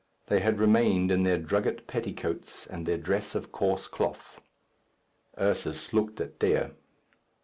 They had remained in their drugget petticoats and their dress of coarse cloth. Ursus looked at Dea.